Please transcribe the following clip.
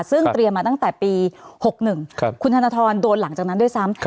ซึ่งเตรียมมาตั้งแต่ปี๖๑คุณธนทรโดนหลังจากนั้นด้วยซ้ำ